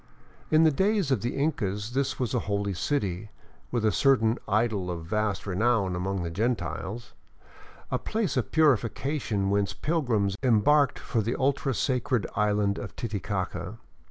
In the days of the Incas this was a holy city, with a certain " idol of vast renown among the Gentiles," a place of purification whence pilgrims em barked for the ultra sacred island of Titicaca.